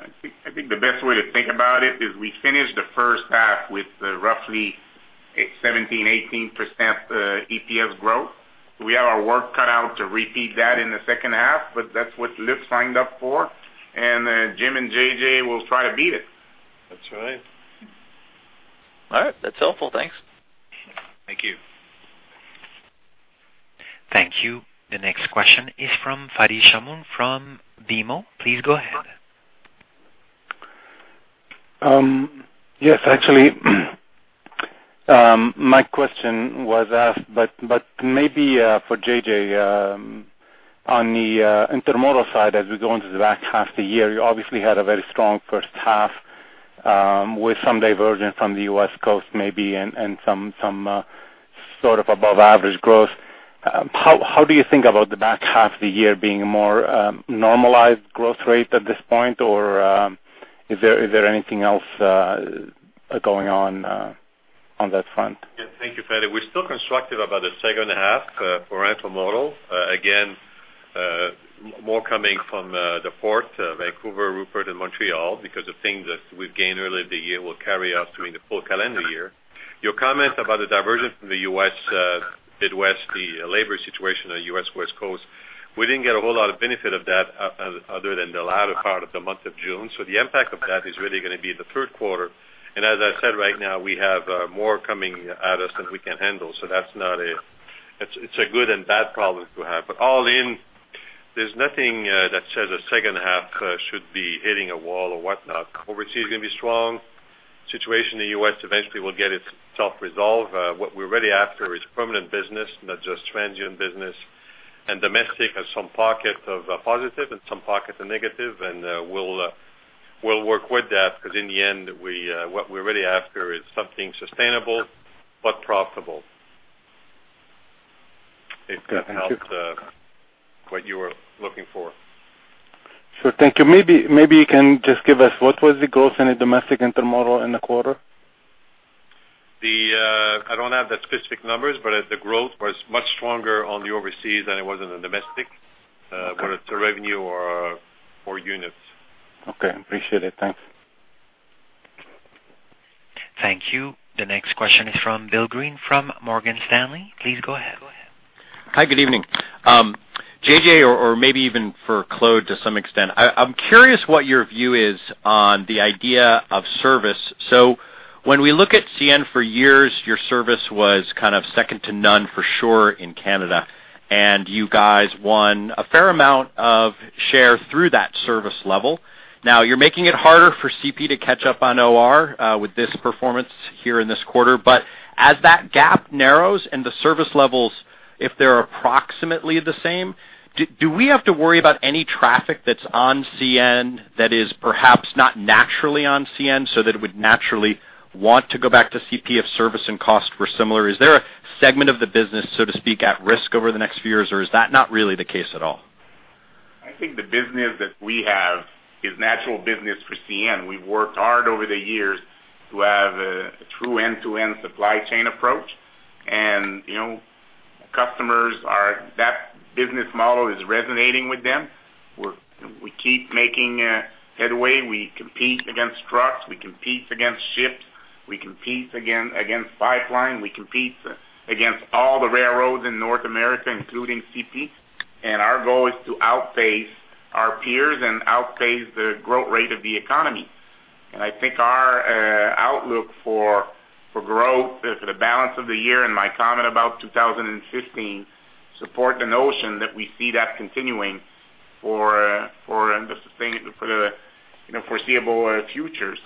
I think the best way to think about it is we finish the first half with roughly 17%-18% EPS growth. We have our work cut out to repeat that in the second half, but that's what Luc signed up for. Jim and J.J. will try to beat it. That's right. All right. That's helpful. Thanks. Thank you. Thank you. The next question is from Fadi Chamoun from BMO. Please go ahead. Yes, actually, my question was asked, but maybe for J.J., on the intermodal side, as we go into the back half of the year, you obviously had a very strong first half with some divergence from the U.S. coast maybe and some sort of above-average growth. How do you think about the back half of the year being a more normalized growth rate at this point, or is there anything else going on on that front? Yeah. Thank you, Fadi. We're still constructive about the second half for intermodal. Again, more coming from the port, Vancouver, Rupert, and Montreal because of things that we've gained earlier in the year will carry us through the full calendar year. Your comments about the divergence from the U.S. Midwest, the labor situation on the U.S. West Coast, we didn't get a whole lot of benefit of that other than the latter part of the month of June. So the impact of that is really going to be the third quarter. And as I said, right now, we have more coming at us than we can handle. So that's not a, it's a good and bad problem to have. But all in, there's nothing that says the second half should be hitting a wall or whatnot. Overseas is going to be strong. The situation in the U.S. Eventually will get itself resolved. What we're really after is permanent business, not just transient business, and domestic has some pockets of positive and some pockets of negative, and we'll work with that because in the end, what we're really after is something sustainable but profitable. It's going to help what you were looking for. Thank you. Maybe you can just give us what was the growth in the domestic intermodal in the quarter? I don't have the specific numbers, but the growth was much stronger on the overseas than it was in the domestic, whether it's a revenue or units. Okay. Appreciate it. Thanks. Thank you. The next question is from William Greene from Morgan Stanley. Please go ahead. Hi, good evening. J.J., or maybe even for Claude to some extent, I'm curious what your view is on the idea of service. So when we look at CN for years, your service was kind of second to none for sure in Canada, and you guys won a fair amount of share through that service level. Now, you're making it harder for CP to catch up on OR with this performance here in this quarter. But as that gap narrows and the service levels, if they're approximately the same, do we have to worry about any traffic that's on CN that is perhaps not naturally on CN so that it would naturally want to go back to CP if service and cost were similar? Is there a segment of the business, so to speak, at risk over the next few years, or is that not really the case at all? I think the business that we have is natural business for CN. We've worked hard over the years to have a true end-to-end supply chain approach. Customers, that business model is resonating with them. We keep making headway. We compete against trucks. We compete against ships. We compete against pipeline. We compete against all the railroads in North America, including CP. Our goal is to outpace our peers and outpace the growth rate of the economy. I think our outlook for growth, for the balance of the year, and my comment about 2015 supports the notion that we see that continuing for the foreseeable future.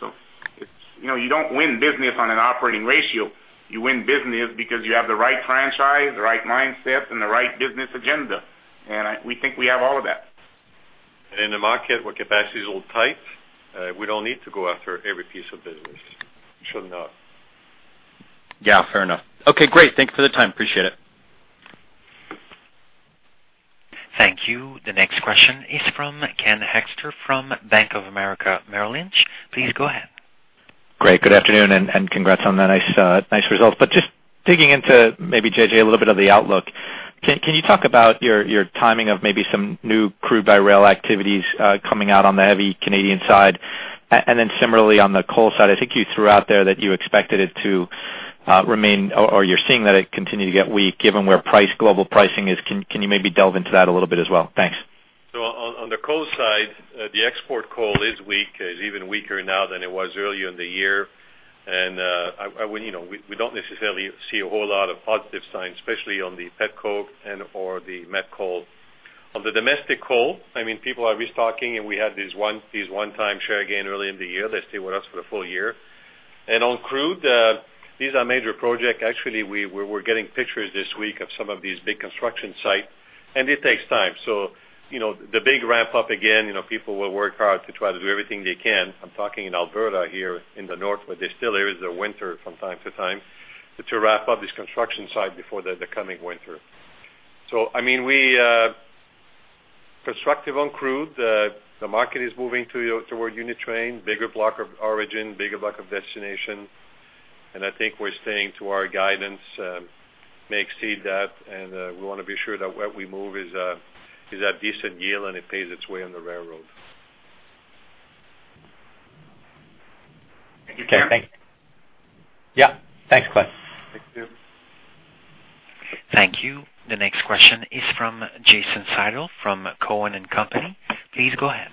You don't win business on an operating ratio. You win business because you have the right franchise, the right mindset, and the right business agenda. We think we have all of that. In the market, where capacity is a little tight, we don't need to go after every piece of business. We shouldn't know. Yeah, fair enough. Okay, great. Thank you for the time. Appreciate it. Thank you. The next question is from Ken Hoexter from Bank of America Merrill Lynch. Please go ahead. Great. Good afternoon and congrats on the nice results. But just digging into maybe, J.J., a little bit of the outlook, can you talk about your timing of maybe some new crude by rail activities coming out on the heavy Canadian side? And then similarly on the coal side, I think you threw out there that you expected it to remain or you're seeing that it continue to get weak given where price, global pricing is. Can you maybe delve into that a little bit as well? Thanks. So on the coal side, the export coal is weak. It's even weaker now than it was earlier in the year. And we don't necessarily see a whole lot of positive signs, especially on the petcoke and/or the metcoal. On the domestic coal, I mean, people are restocking, and we had these one-time share gains earlier in the year. They stay with us for the full year. And on crude, these are major projects. Actually, we're getting pictures this week of some of these big construction sites, and it takes time. So the big ramp-up again, people will work hard to try to do everything they can. I'm talking in Alberta here in the north, but they still hear the winter from time to time to ramp up this construction site before the coming winter. So I mean, constructive on crude. The market is moving toward unit train, bigger block of origin, bigger block of destination. I think we're staying to our guidance, may exceed that, and we want to be sure that what we move is a decent yield and it pays its way on the railroad. Thank you, Ken. Yeah. Thanks, Claude. Thank you. Thank you. The next question is from Jason Seidl from Cowen and Company. Please go ahead.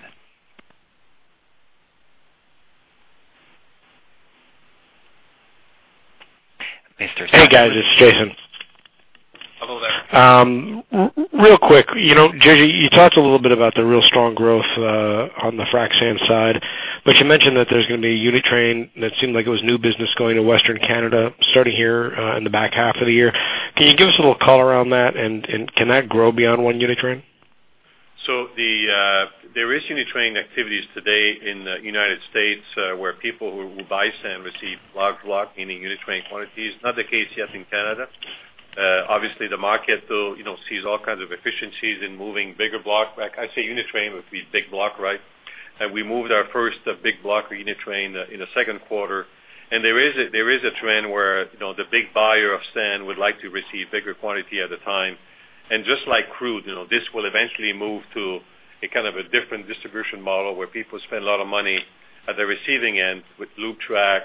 Mr. Hey, guys. It's Jason. Hello there. Real quick, J.J., you talked a little bit about the real strong growth on the frac sand side, but you mentioned that there's going to be unit train that seemed like it was new business going to Western Canada starting here in the back half of the year. Can you give us a little color on that, and can that grow beyond one unit train? So there is unit train activities today in the United States where people who buy CN receive large block, meaning unit train quantities. Not the case yet in Canada. Obviously, the market sees all kinds of efficiencies in moving bigger block. I say unit train would be big block, right? And we moved our first big block or unit train in the second quarter. And there is a trend where the big buyer of CN would like to receive bigger quantity at a time. And just like crude, this will eventually move to a kind of a different distribution model where people spend a lot of money at the receiving end with loop track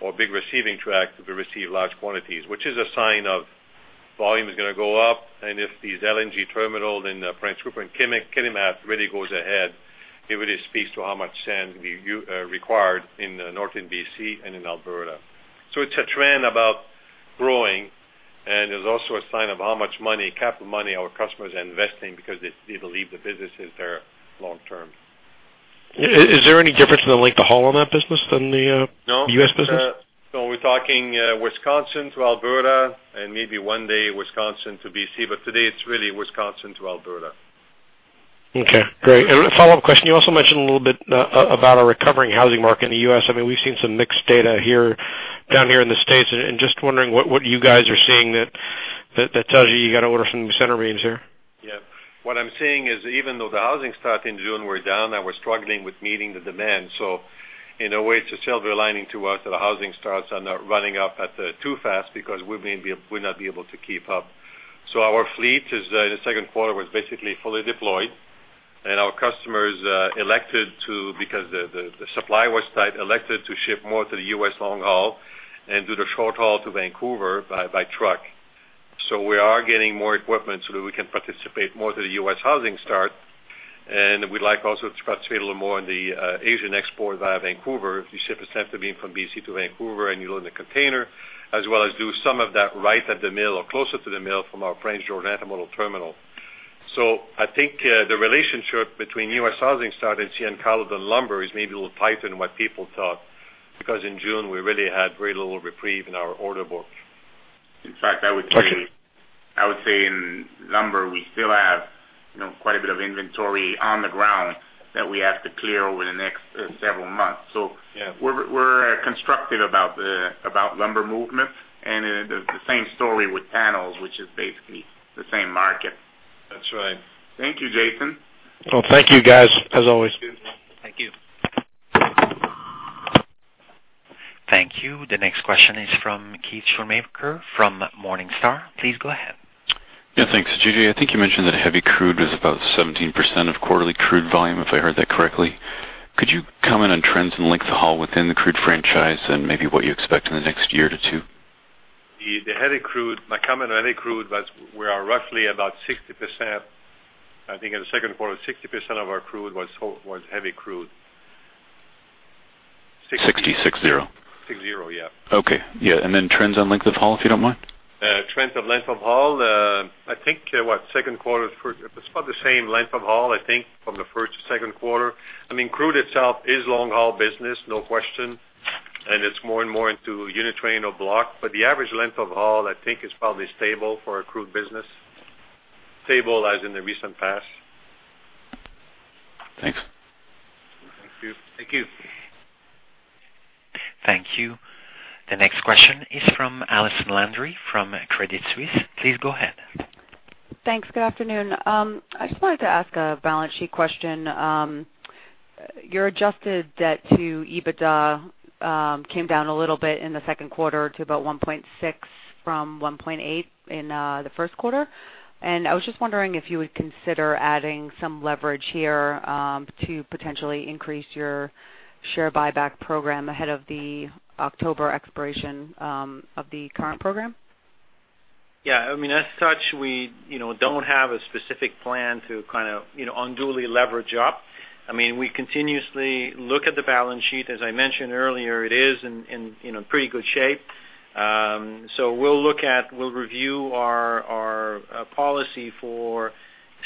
or big receiving track to receive large quantities, which is a sign of volume is going to go up. If these LNG terminals and Prince Rupert and Kitimat really go ahead, it really speaks to how much CN is required in northern B.C. and in Alberta. It's a trend about growing, and it's also a sign of how much money, capital money, our customers are investing because they believe the business is there long-term. Is there any difference in the length of haul on that business than the U.S. business? No. So we're talking Wisconsin to Alberta and maybe one day Wisconsin to BC, but today it's really Wisconsin to Alberta. Okay. Great. A follow-up question. You also mentioned a little bit about a recovering housing market in the U.S. I mean, we've seen some mixed data down here in the States, and just wondering what you guys are seeing that tells you you got to order some centerbeams here? Yeah. What I'm seeing is even though the housing starts in June were down, and we're struggling with meeting the demand. So in a way, it's a silver lining to us that the housing starts are not running up too fast because we may not be able to keep up. So our fleet in the second quarter was basically fully deployed, and our customers elected to, because the supply was tight, elected to ship more to the U.S. long haul and do the short haul to Vancouver by truck. So we are getting more equipment so that we can participate more to the U.S. housing starts. And we'd like also to participate a little more in the Asian export via Vancouver. You ship a centerbeam from BC to Vancouver, and you load in a container, as well as do some of that right at the mill or closer to the mill from our Prince George Intermodal Terminal. So I think the relationship between U.S. housing starts and CN's coal and lumber is maybe a little tighter than what people thought because in June, we really had very little reprieve in our order book. In fact, I would say in lumber, we still have quite a bit of inventory on the ground that we have to clear over the next several months. So we're constructive about lumber movement, and it's the same story with panels, which is basically the same market. That's right. Thank you, Jason. Well, thank you, guys, as always. Thank you. Thank you. The next question is from Keith Schoonmaker from Morningstar. Please go ahead. Yeah. Thanks, J.J. I think you mentioned that heavy crude was about 17% of quarterly crude volume, if I heard that correctly. Could you comment on trends in length of haul within the crude franchise and maybe what you expect in the next year to two? The heavy crude, my comment on heavy crude was we are roughly about 60%. I think in the second quarter, 60% of our crude was heavy crude. 60. 60. 60, yeah. Okay. Yeah. And then trends on length of haul, if you don't mind. Trends on length of haul, I think, what, second quarter is about the same length of haul, I think, from the first to second quarter. I mean, crude itself is long haul business, no question, and it's more and more into unit train or block. But the average length of haul, I think, is probably stable for a crude business, stable as in the recent past. Thanks. Thank you. Thank you. Thank you. The next question is from Allison Landry from Credit Suisse. Please go ahead. Thanks. Good afternoon. I just wanted to ask a balance sheet question. Your adjusted debt to EBITDA came down a little bit in the second quarter to about 1.6 from 1.8 in the first quarter. And I was just wondering if you would consider adding some leverage here to potentially increase your share buyback program ahead of the October expiration of the current program. Yeah. I mean, as such, we don't have a specific plan to kind of unduly leverage up. I mean, we continuously look at the balance sheet. As I mentioned earlier, it is in pretty good shape. So we'll look at, we'll review our policy for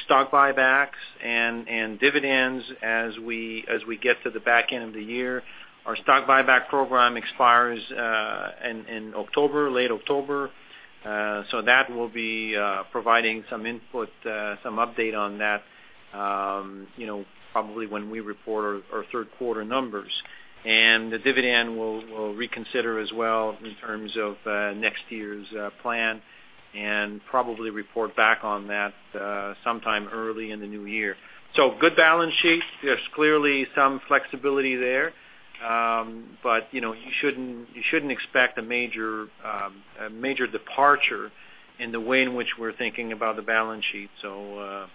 stock buybacks and dividends as we get to the back end of the year. Our stock buyback program expires in October, late October. So that will be providing some input, some update on that probably when we report our third quarter numbers. And the dividend we'll reconsider as well in terms of next year's plan and probably report back on that sometime early in the new year. So good balance sheet. There's clearly some flexibility there, but you shouldn't expect a major departure in the way in which we're thinking about the balance sheet. So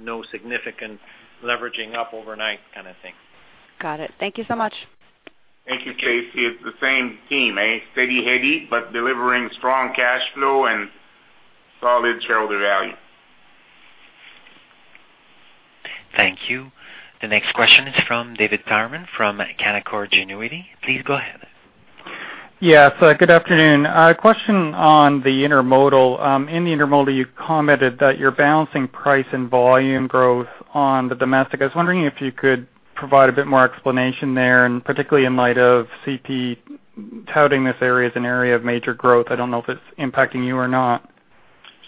no significant leveraging up overnight kind of thing. Got it. Thank you so much. Thank you, Credit Suisse. It's the same team, a steady hand but delivering strong cash flow and solid shareholder value. Thank you. The next question is from David Tyerman from Canaccord Genuity. Please go ahead. Yeah. So good afternoon. Question on the intermodal. In the intermodal, you commented that you're balancing price and volume growth on the domestic. I was wondering if you could provide a bit more explanation there, and particularly in light of CP touting this area as an area of major growth. I don't know if it's impacting you or not?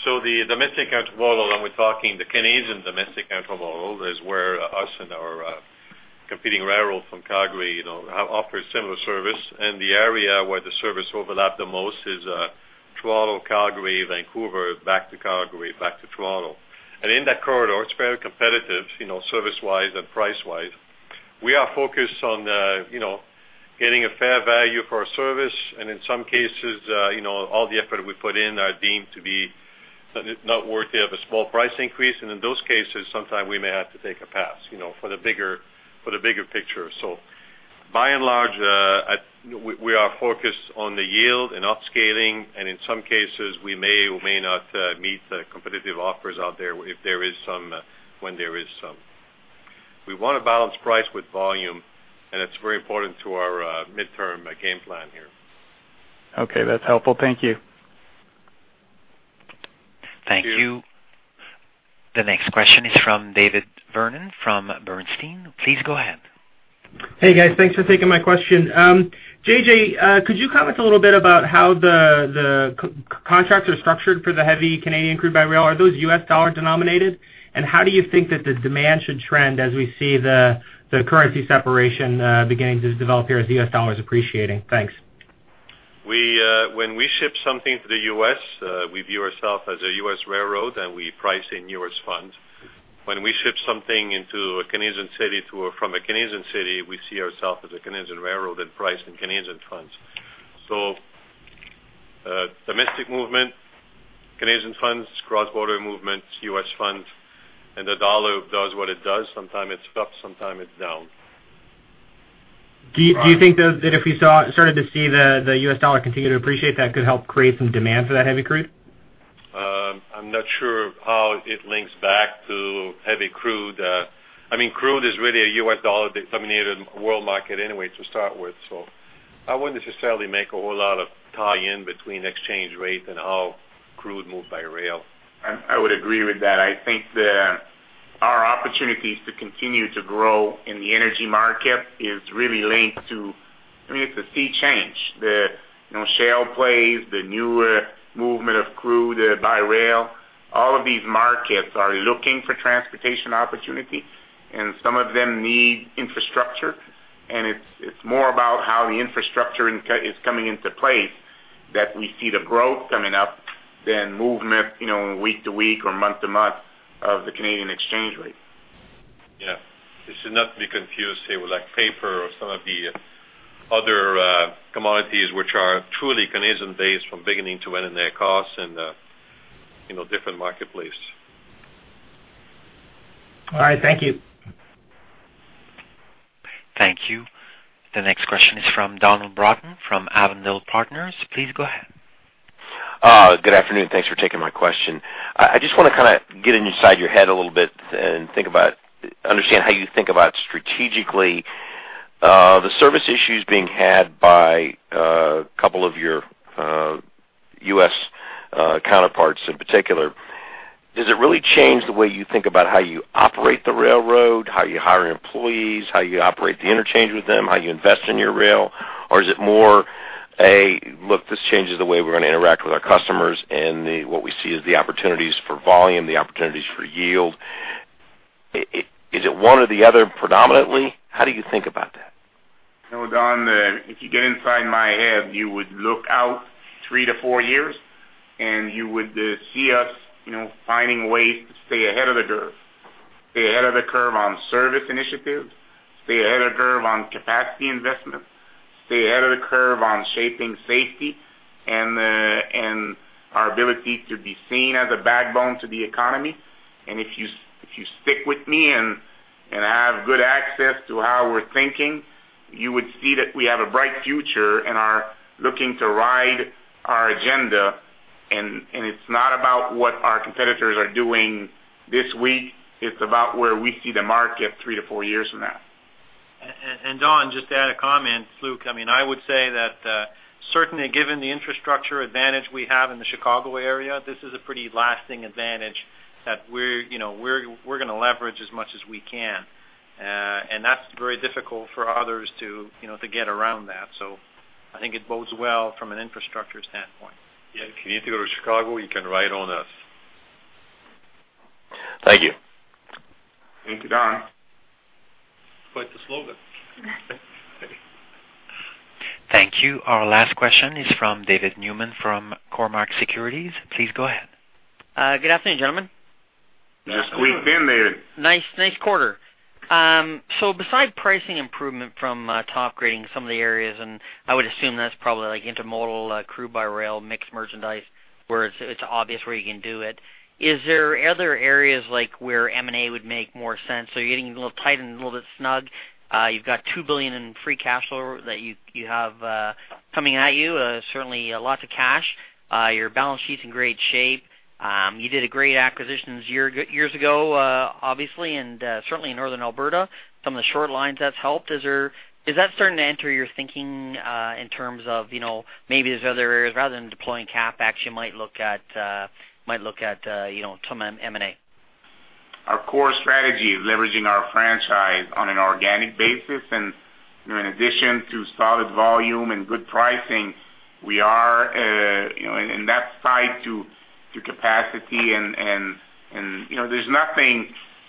So the domestic intermodal, I'm talking the Canadian domestic intermodal, is where us and our competing railroads from Calgary offer similar service. And the area where the service overlaps the most is Toronto, Calgary, Vancouver, back to Calgary, back to Toronto. And in that corridor, it's very competitive service-wise and price-wise. We are focused on getting a fair value for our service, and in some cases, all the effort we put in are deemed to be not worthy of a small price increase. And in those cases, sometimes we may have to take a pass for the bigger picture. So by and large, we are focused on the yield and upscaling, and in some cases, we may or may not meet the competitive offers out there if there is some when there is some. We want to balance price with volume, and it's very important to our midterm game plan here. Okay. That's helpful. Thank you. Thank you. The next question is from David Vernon from Bernstein. Please go ahead. Hey, guys. Thanks for taking my question. J.J., could you comment a little bit about how the contracts are structured for the heavy Canadian crude by rail? Are those U.S. dollar denominated? And how do you think that the demand should trend as we see the currency separation beginning to develop here as U.S. dollar is appreciating? Thanks. When we ship something to the U.S., we view ourselves as a U.S. railroad, and we price in U.S. funds. When we ship something into a Canadian city from a Canadian city, we see ourselves as a Canadian railroad and price in Canadian funds. So domestic movement, Canadian funds, cross-border movement, U.S. funds, and the dollar does what it does. Sometimes it's up, sometimes it's down. Do you think that if we started to see the U.S. dollar continue to appreciate, that could help create some demand for that heavy crude? I'm not sure how it links back to heavy crude. I mean, crude is really a U.S. dollar-denominated world market anyway to start with. So I wouldn't necessarily make a whole lot of tie-in between exchange rate and how crude moved by rail. I would agree with that. I think our opportunities to continue to grow in the energy market is really linked to, I mean, it's a sea change. The shale plays, the new movement of crude by rail, all of these markets are looking for transportation opportunity, and some of them need infrastructure. And it's more about how the infrastructure is coming into place that we see the growth coming up than movement week to week or month to month of the Canadian exchange rate. Yeah. It should not be confused, say, with paper or some of the other commodities which are truly Canadian-based from beginning to end in their costs in different marketplaces. All right. Thank you. Thank you. The next question is from Donald Broughton from Avondale Partners. Please go ahead. Good afternoon. Thanks for taking my question. I just want to kind of get inside your head a little bit and think about understand how you think about strategically the service issues being had by a couple of your U.S. counterparts in particular. Does it really change the way you think about how you operate the railroad, how you hire employees, how you operate the interchange with them, how you invest in your rail, or is it more a, "Look, this changes the way we're going to interact with our customers," and what we see as the opportunities for volume, the opportunities for yield? Is it one or the other predominantly? How do you think about that? No, Don, if you get inside my head, you would look out three to four years, and you would see us finding ways to stay ahead of the curve, stay ahead of the curve on service initiatives, stay ahead of the curve on capacity investment, stay ahead of the curve on shaping safety and our ability to be seen as a backbone to the economy. And if you stick with me and have good access to how we're thinking, you would see that we have a bright future and are looking to ride our agenda. And it's not about what our competitors are doing this week. It's about where we see the market three to four years from now. Don, just to add a comment, Luc, I mean, I would say that certainly, given the infrastructure advantage we have in the Chicago area, this is a pretty lasting advantage that we're going to leverage as much as we can. That's very difficult for others to get around that. I think it bodes well from an infrastructure standpoint. Yeah. If you need to go to Chicago, you can ride on us. Thank you. Thank you, Don. Quite the slogan. Thank you. Our last question is from David Newman from Cormark Securities. Please go ahead. Good afternoon, gentlemen. Just a week in, David. Nice quarter. So besides pricing improvement from top grading some of the areas, and I would assume that's probably intermodal, crude by rail, mixed merchandise, where it's obvious where you can do it. Is there other areas where M&A would make more sense? So you're getting a little tight and a little bit snug. You've got $2 billion in free cash flow that you have coming at you, certainly lots of cash. Your balance sheet's in great shape. You did a great acquisition years ago, obviously, and certainly in Northern Alberta. Some of the short lines that's helped. Is that starting to enter your thinking in terms of maybe there's other areas rather than deploying CapEx, you might look at some M&A? Our core strategy is leveraging our franchise on an organic basis. In addition to solid volume and good pricing, we are in that tied to capacity. There's nothing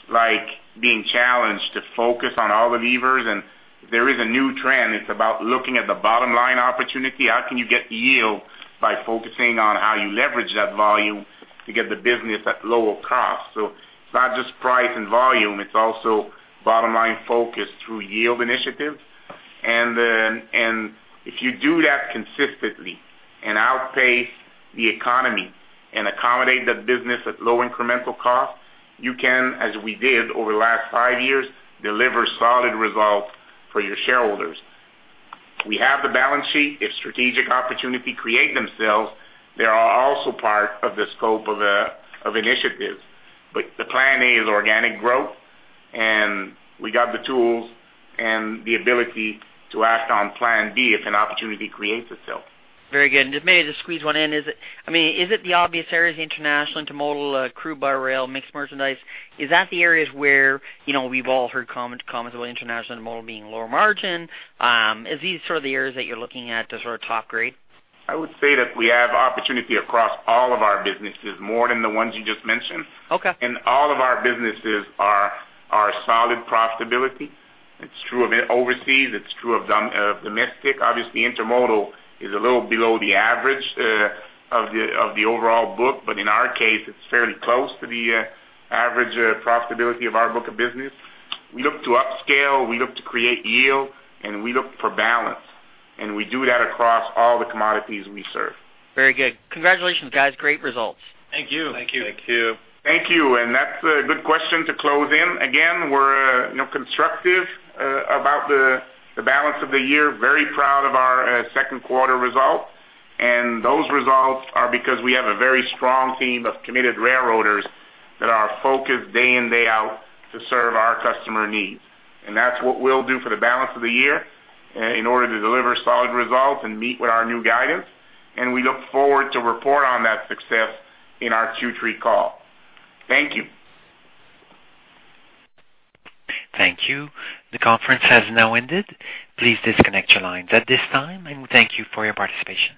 like being challenged to focus on all the levers. If there is a new trend, it's about looking at the bottom line opportunity. How can you get yield by focusing on how you leverage that volume to get the business at lower cost? It's not just price and volume. It's also bottom line focus through yield initiatives. If you do that consistently and outpace the economy and accommodate the business at low incremental cost, you can, as we did over the last five years, deliver solid results for your shareholders. We have the balance sheet. If strategic opportunities create themselves, they are also part of the scope of initiatives. The Plan A is organic growth, and we got the tools and the ability to act on Plan B if an opportunity creates itself. Very good. And just maybe to squeeze one in, I mean, is it the obvious areas of international intermodal, crude by rail, mixed merchandise? Is that the areas where we've all heard comments about international intermodal being lower margin? Is these sort of the areas that you're looking at to sort of top grade? I would say that we have opportunity across all of our businesses, more than the ones you just mentioned. All of our businesses are solid profitability. It's true of overseas. It's true of domestic. Obviously, intermodal is a little below the average of the overall book, but in our case, it's fairly close to the average profitability of our book of business. We look to upscale. We look to create yield, and we look for balance. We do that across all the commodities we serve. Very good. Congratulations, guys. Great results. Thank you. Thank you. Thank you. That's a good question to close in. Again, we're constructive about the balance of the year. Very proud of our second quarter result. Those results are because we have a very strong team of committed railroaders that are focused day in, day out to serve our customer needs. That's what we'll do for the balance of the year in order to deliver solid results and meet with our new guidance. We look forward to report on that success in our Q3 call. Thank you. Thank you. The conference has now ended. Please disconnect your lines at this time, and thank you for your participation.